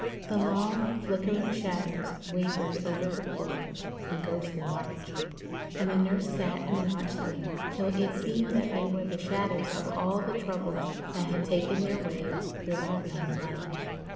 The long, flickering shadows wavered over the floor in ghostly march, and the nurse sat and watched them till it seemed that they were the shadows of all the troubles that had taken their way through her young life.